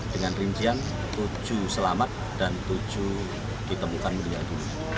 dengan rincian tujuh selamat dan tujuh ditemukan menjadikan